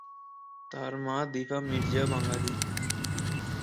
তাঁর মা দীপা মির্জা বাঙালি।